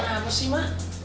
kenapa sih ma